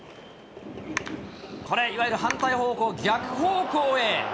これ、いわゆる反対方向、逆方向へ。